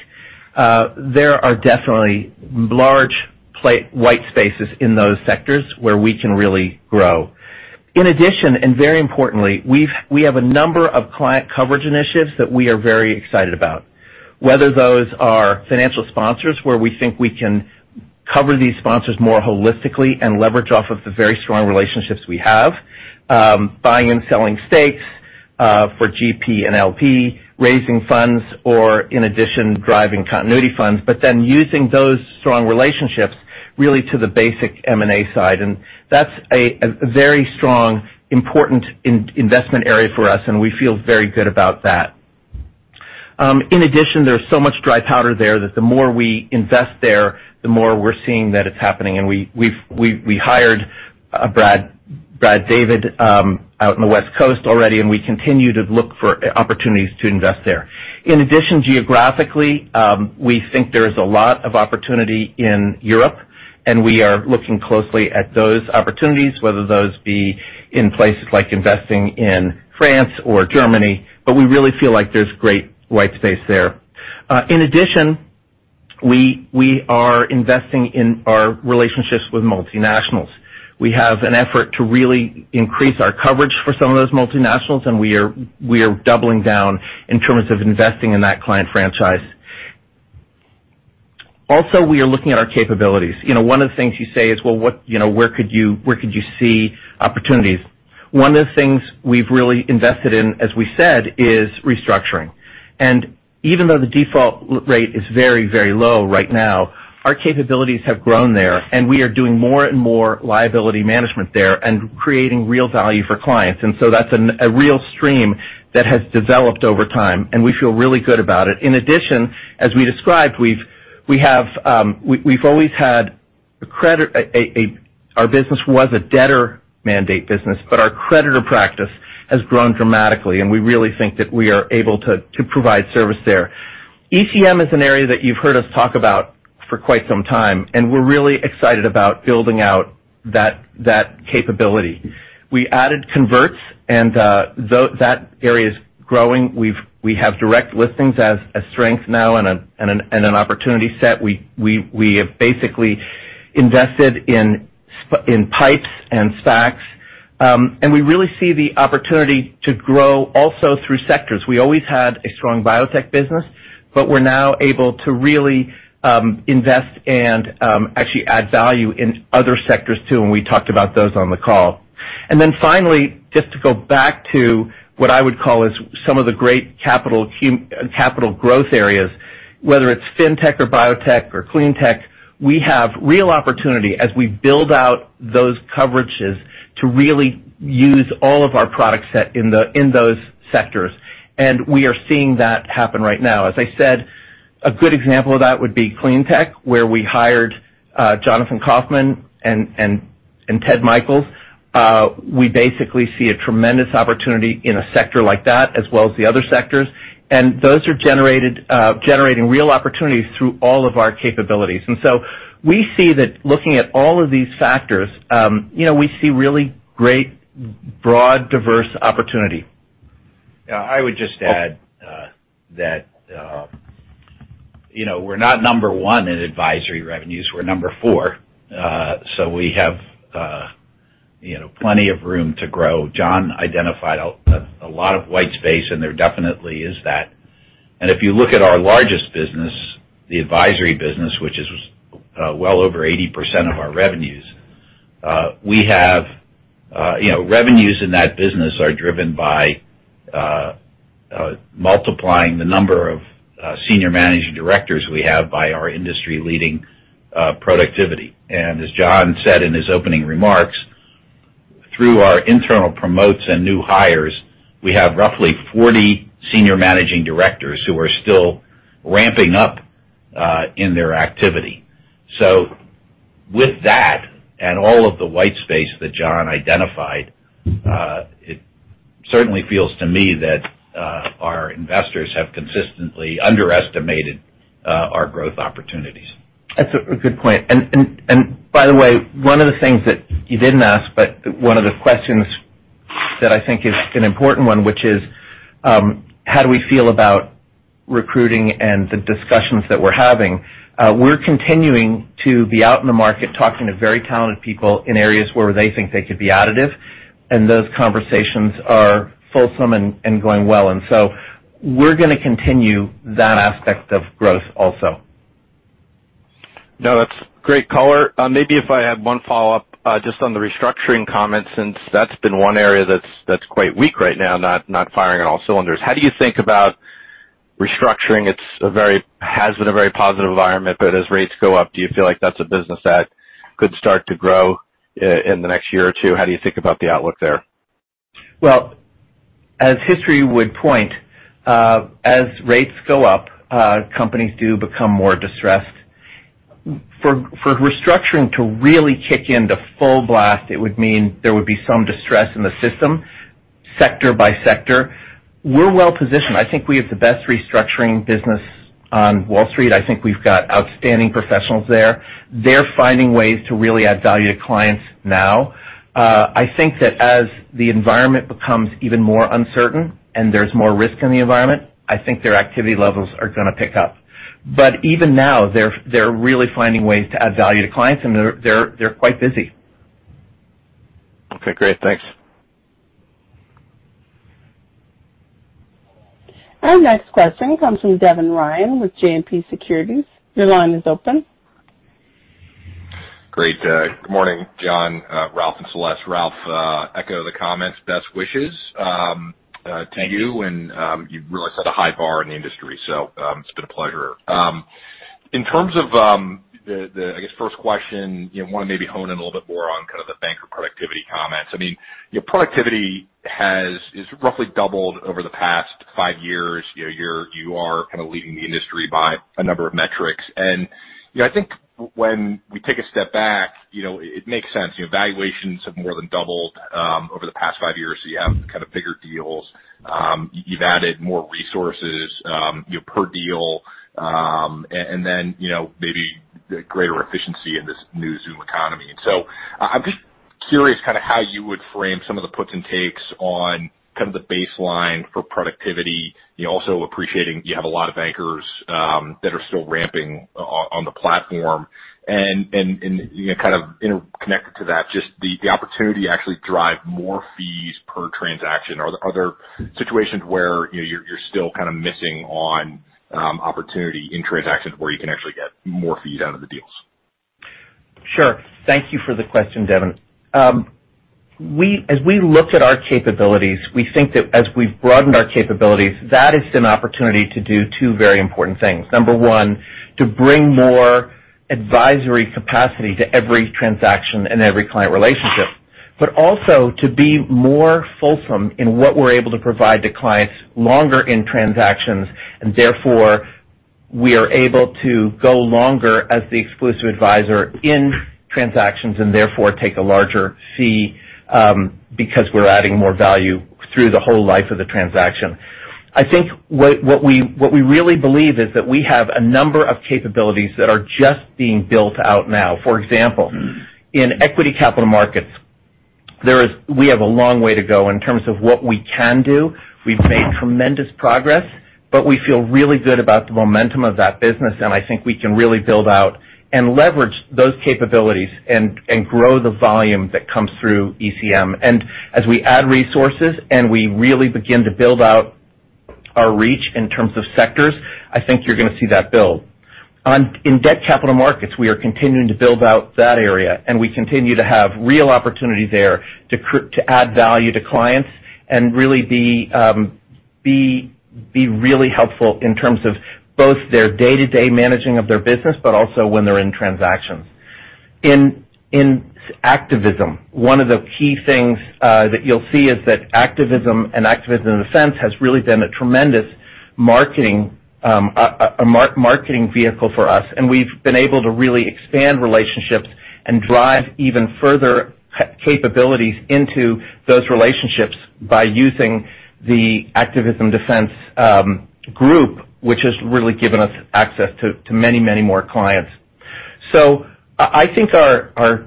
there are definitely large white spaces in those sectors where we can really grow. In addition, and very importantly, we have a number of client coverage initiatives that we are very excited about. Whether those are financial sponsors, where we think we can cover these sponsors more holistically and leverage off of the very strong relationships we have, buying and selling stakes, for GP and LP, raising funds, or in addition, driving continuation funds, but then using those strong relationships really to the basic M&A side. That's a very strong important investment area for us, and we feel very good about that. In addition, there's so much dry powder there that the more we invest there, the more we're seeing that it's happening. We've hired Brad David out in the West Coast already, and we continue to look for opportunities to invest there. In addition, geographically, we think there's a lot of opportunity in Europe, and we are looking closely at those opportunities, whether those be in places like investing in France or Germany, but we really feel like there's great white space there. In addition, we are investing in our relationships with multinationals. We have an effort to really increase our coverage for some of those multinationals, and we are doubling down in terms of investing in that client franchise. Also, we are looking at our capabilities. You know, one of the things you say is, "Well, what you know, where could you see opportunities?" One of the things we've really invested in, as we said, is restructuring. Even though the default rate is very, very low right now, our capabilities have grown there and we are doing more and more liability management there and creating real value for clients. That's a real stream that has developed over time, and we feel really good about it. In addition, as we described, we've always had a credit. Our business was a debtor mandate business, but our creditor practice has grown dramatically, and we really think that we are able to provide service there. ECM is an area that you've heard us talk about for quite some time, and we're really excited about building out that capability. We added convertibles and that area is growing. We have direct listings as a strength now and an opportunity set. We have basically invested in PIPEs and SPACs. We really see the opportunity to grow also through sectors. We always had a strong biotech business, but we're now able to really invest and actually add value in other sectors too, and we talked about those on the call. Then finally, just to go back to what I would call some of the great capital growth areas, whether it's fintech or biotech or clean tech, we have real opportunity as we build out those coverages to really use all of our product set in those sectors. We are seeing that happen right now. As I said, a good example of that would be Clean Tech, where we hired Jonathon Kaufman and Ted Michaels. We basically see a tremendous opportunity in a sector like that as well as the other sectors. Those are generating real opportunities through all of our capabilities. We see that looking at all of these factors, you know, we see really great broad, diverse opportunity. Yeah, I would just add that you know, we're not number one in advisory revenues. We're number four. We have you know, plenty of room to grow. John identified a lot of white space, and there definitely is that. If you look at our largest business, the advisory business, which is well over 80% of our revenues, we have you know, revenues in that business are driven by multiplying the number of senior managing directors we have by our industry-leading productivity. As John said in his opening remarks, through our internal promotes and new hires, we have roughly 40 Senior Managing Directors who are still ramping up in their activity. With that and all of the white space that John identified, it certainly feels to me that our investors have consistently underestimated our growth opportunities. That's a good point. By the way, one of the things that you didn't ask, but one of the questions that I think is an important one, which is, how do we feel about recruiting and the discussions that we're having? We're continuing to be out in the market talking to very talented people in areas where they think they could be additive, and those conversations are fulsome and going well. We're gonna continue that aspect of growth also. No, that's great color. Maybe if I had one follow-up, just on the restructuring comments, since that's been one area that's quite weak right now, not firing on all cylinders. How do you think about restructuring? It's been a very positive environment, but as rates go up, do you feel like that's a business that could start to grow in the next year or two? How do you think about the outlook there? Well, as history would point, as rates go up, companies do become more distressed. For restructuring to really kick in to full blast, it would mean there would be some distress in the system, sector by sector. We're well positioned. I think we have the best restructuring business on Wall Street. I think we've got outstanding professionals there. They're finding ways to really add value to clients now. I think that as the environment becomes even more uncertain and there's more risk in the environment, I think their activity levels are gonna pick up. Even now, they're quite busy. Okay, great. Thanks. Our next question comes from Devin Ryan with JMP Securities. Your line is open. Great. Good morning, John, Ralph, and Celeste. Ralph, I echo the comments, best wishes to you. Thank you. You really set a high bar in the industry, so it's been a pleasure. In terms of the I guess first question, you know, wanna maybe hone in a little bit more on kind of the banker productivity comments. I mean, your productivity is roughly doubled over the past five years. You know, you are kind of leading the industry by a number of metrics. You know, I think when we take a step back, you know, it makes sense. You know, valuations have more than doubled over the past five years. You have kind of bigger deals. You've added more resources, you know, per deal, and then, you know, maybe the greater efficiency in this new Zoom economy. I'm just curious kind of how you would frame some of the puts and takes on kind of the baseline for productivity. You know, also appreciating you have a lot of bankers that are still ramping on the platform. You know, kind of inter-connected to that, just the opportunity to actually drive more fees per transaction. Are there situations where, you know, you're still kind of missing on opportunity in transactions where you can actually get more fees out of the deals? Sure. Thank you for the question, Devin. As we looked at our capabilities, we think that as we've broadened our capabilities, that is an opportunity to do two very important things. Number one, to bring more advisory capacity to every transaction and every client relationship, but also to be more fulsome in what we're able to provide to clients longer in transactions, and therefore, we are able to go longer as the exclusive advisor in transactions, and therefore, take a larger fee, because we're adding more value through the whole life of the transaction. I think what we really believe is that we have a number of capabilities that are just being built out now. For example, in equity capital markets, we have a long way to go in terms of what we can do. We've made tremendous progress, but we feel really good about the momentum of that business, and I think we can really build out and leverage those capabilities and grow the volume that comes through ECM. As we add resources and we really begin to build out our reach in terms of sectors, I think you're gonna see that build. In debt capital markets, we are continuing to build out that area, and we continue to have real opportunity there to add value to clients and really be really helpful in terms of both their day-to-day managing of their business, but also when they're in transactions. In activism, one of the key things that you'll see is that activism in a sense has really been a tremendous marketing vehicle for us, and we've been able to really expand relationships and drive even further capabilities into those relationships by using the activism defense group, which has really given us access to many more clients. I think our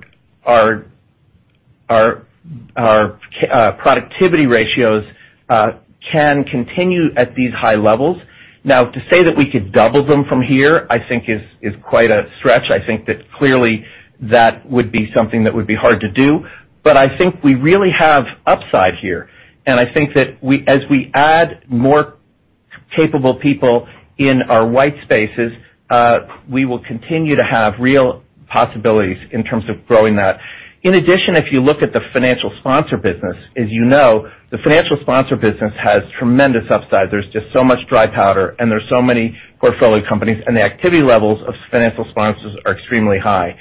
productivity ratios can continue at these high levels. Now, to say that we could double them from here, I think is quite a stretch. I think that clearly would be something that would be hard to do. I think we really have upside here. I think that as we add more capable people in our white spaces, we will continue to have real possibilities in terms of growing that. In addition, if you look at the financial sponsor business, as you know, the financial sponsor business has tremendous upside. There's just so much dry powder, and there's so many portfolio companies, and the activity levels of financial sponsors are extremely high.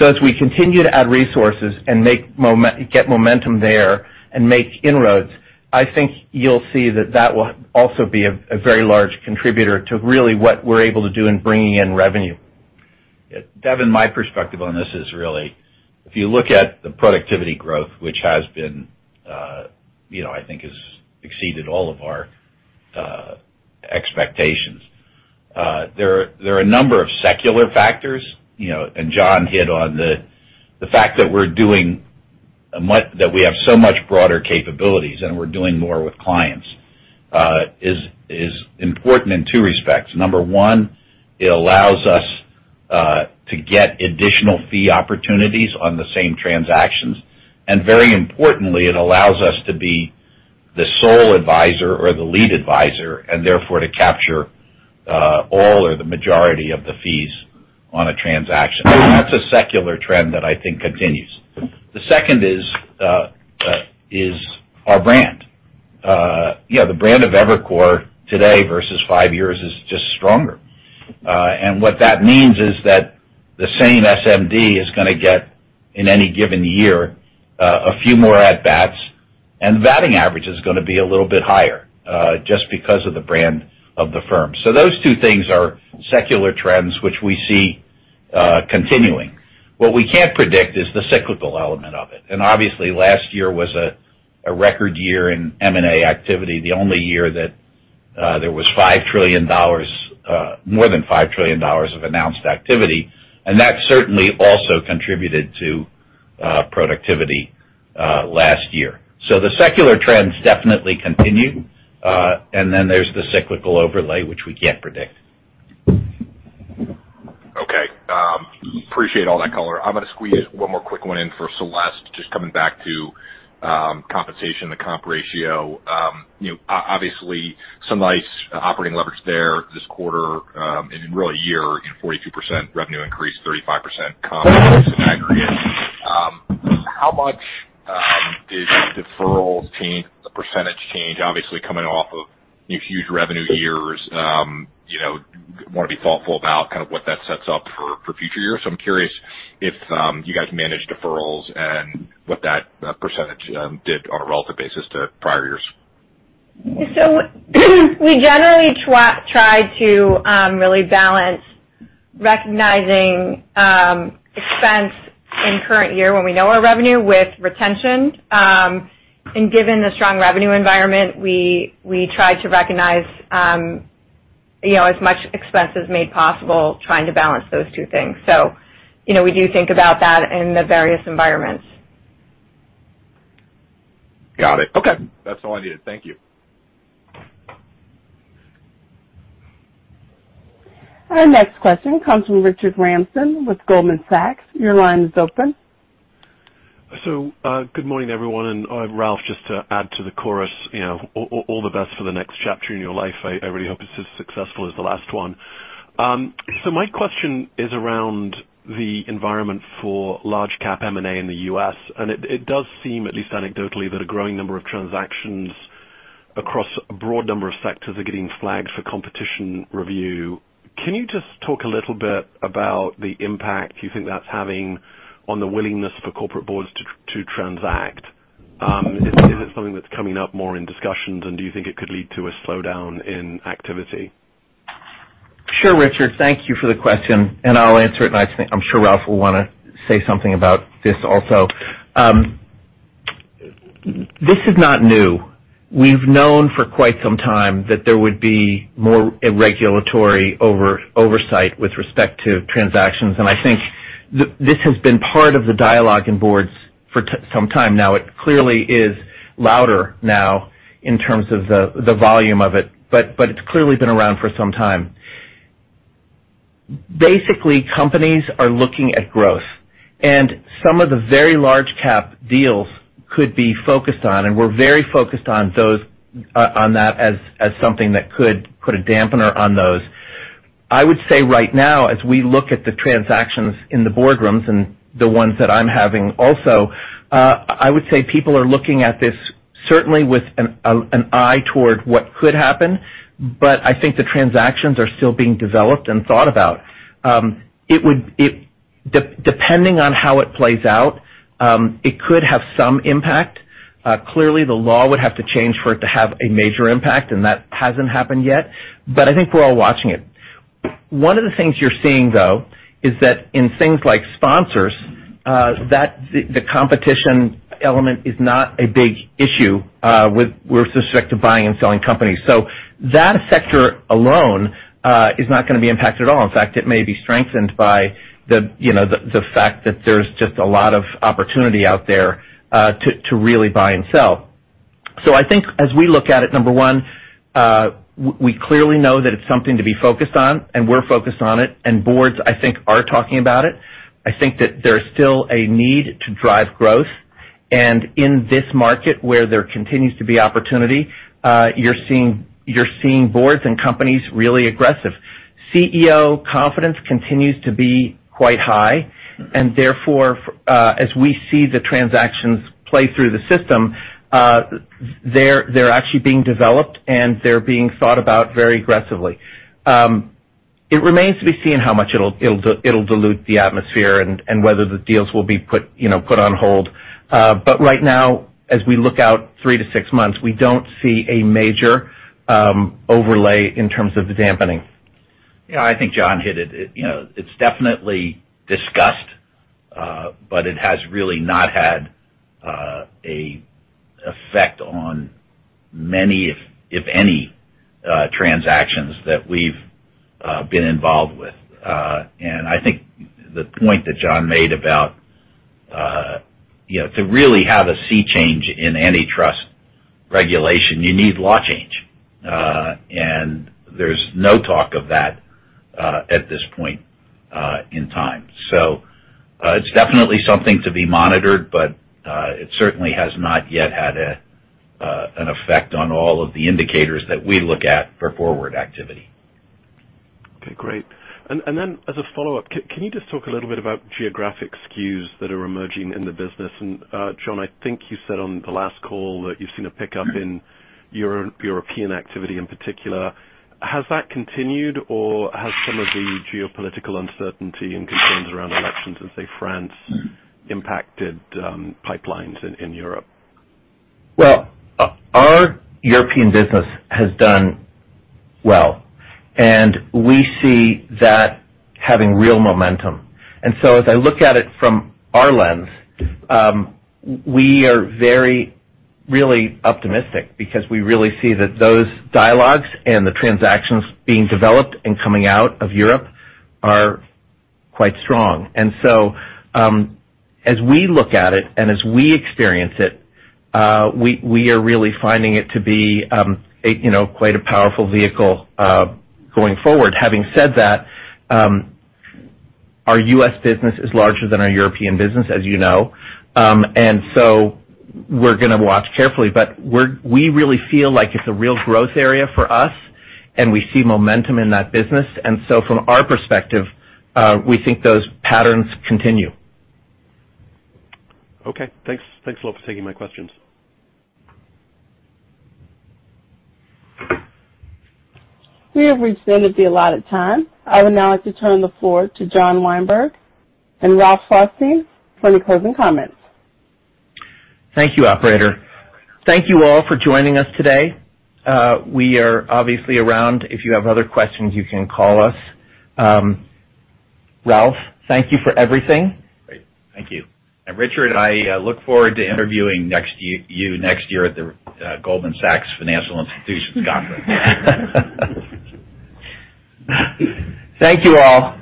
As we continue to add resources and get momentum there and make inroads, I think you'll see that that will also be a very large contributor to really what we're able to do in bringing in revenue. Devin, my perspective on this is really if you look at the productivity growth, which has been, I think has exceeded all of our expectations. There are a number of secular factors, you know, and John hit on the fact that we have so much broader capabilities and we're doing more with clients, is important in two respects. Number one, it allows us to get additional fee opportunities on the same transactions. Very importantly, it allows us to be the sole advisor or the lead advisor, and therefore to capture all or the majority of the fees on a transaction. That's a secular trend that I think continues. The second is our brand. Yeah, the brand of Evercore today versus five years is just stronger. What that means is that the same SMD is gonna get, in any given year, a few more at-bats, and the batting average is gonna be a little bit higher, just because of the brand of the firm. Those two things are secular trends which we see continuing. What we can't predict is the cyclical element of it. Obviously, last year was a record year in M&A activity, the only year that there was $5 trillion, more than $5 trillion of announced activity, and that certainly also contributed to productivity last year. The secular trends definitely continue, and then there's the cyclical overlay, which we can't predict. Okay. Appreciate all that color. I'm gonna squeeze one more quick one in for Celeste, just coming back to compensation, the comp ratio. You know, obviously some nice operating leverage there this quarter, and really year, 42% revenue increase, 35% comp in aggregate. How much did deferrals change, the percentage change, obviously coming off of huge revenue years, you know, wanna be thoughtful about kind of what that sets up for future years. I'm curious if you guys manage deferrals and what that percentage did on a relative basis to prior years. We generally try to really balance recognizing expense in current year when we know our revenue with retention. Given the strong revenue environment, we try to recognize you know, as much expense as made possible trying to balance those two things. You know, we do think about that in the various environments. Got it. Okay. That's all I needed. Thank you. Our next question comes from Richard Ramsden with Goldman Sachs. Your line is open. Good morning, everyone. I'm Ralph, just to add to the chorus, you know, all the best for the next chapter in your life. I really hope it's as successful as the last one. My question is around the environment for large cap M&A in the U.S. It does seem, at least anecdotally, that a growing number of transactions across a broad number of sectors are getting flagged for competition review. Can you just talk a little bit about the impact you think that's having on the willingness for corporate boards to transact? Is it something that's coming up more in discussions, and do you think it could lead to a slowdown in activity? Sure, Richard. Thank you for the question. I'll answer it, and I think I'm sure Ralph will wanna say something about this also. This is not new. We've known for quite some time that there would be more regulatory oversight with respect to transactions. I think this has been part of the dialogue in boards for some time now. It clearly is louder now in terms of the volume of it, but it's clearly been around for some time. Basically, companies are looking at growth, and some of the very large cap deals could be focused on, and we're very focused on those, on that as something that could put a dampener on those. I would say right now, as we look at the transactions in the boardrooms and the ones that I'm having also, I would say people are looking at this certainly with an eye toward what could happen, but I think the transactions are still being developed and thought about. Depending on how it plays out, it could have some impact. Clearly the law would have to change for it to have a major impact, and that hasn't happened yet, but I think we're all watching it. One of the things you're seeing, though, is that in things like sponsors, that the competition element is not a big issue with respect to buying and selling companies. That sector alone is not gonna be impacted at all. In fact, it may be strengthened by the, you know, the fact that there's just a lot of opportunity out there to really buy and sell. I think as we look at it, number one, we clearly know that it's something to be focused on, and we're focused on it, and boards, I think, are talking about it. I think that there's still a need to drive growth. In this market where there continues to be opportunity, you're seeing boards and companies really aggressive. CEO confidence continues to be quite high, and therefore, as we see the transactions play through the system, they're actually being developed and they're being thought about very aggressively. It remains to be seen how much it'll dilute the atmosphere and whether the deals will be put, you know, on hold. Right now, as we look out three-six months, we don't see a major overlay in terms of the dampening. Yeah, I think John hit it. You know, it's definitely discussed, but it has really not had an effect on many, if any, transactions that we've been involved with. I think the point that John made about, you know, to really have a sea change in antitrust regulation, you need law change. There's no talk of that at this point in time. It's definitely something to be monitored, but it certainly has not yet had an effect on all of the indicators that we look at for forward activity. Okay, great. Then as a follow-up, can you just talk a little bit about geographic skews that are emerging in the business? John, I think you said on the last call that you've seen a pickup in European activity in particular. Has that continued, or has some of the geopolitical uncertainty and concerns around elections in, say, France impacted pipelines in Europe? Well, our European business has done well, and we see that having real momentum. As I look at it from our lens, we are very really optimistic because we really see that those dialogues and the transactions being developed and coming out of Europe are quite strong. As we look at it and as we experience it, we are really finding it to be you know quite a powerful vehicle going forward. Having said that, our U.S. business is larger than our European business, as you know. We're gonna watch carefully, but we really feel like it's a real growth area for us, and we see momentum in that business. From our perspective, we think those patterns continue. Okay. Thanks. Thanks a lot for taking my questions. We have reached the end of the allotted time. I would now like to turn the floor to John Weinberg and Ralph Schlosstein for any closing comments. Thank you, operator. Thank you all for joining us today. We are obviously around. If you have other questions, you can call us. Ralph, thank you for everything. Great. Thank you. Richard, I look forward to interviewing you next year at the Goldman Sachs U.S. Financial Services Conference. Thank you all.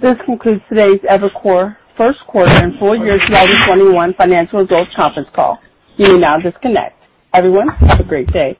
This concludes today's Evercore First Quarter and Full Year 2021 Financial Results Conference Call. You may now disconnect. Everyone, have a great day.